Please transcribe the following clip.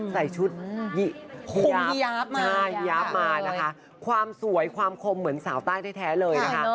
ใส่ชุดเยี่ยบนะคะความสวยความคมเหมือนสนาวตาแทท้เลยนะคะ